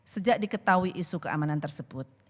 sejak diketahui isu keamanan tersebut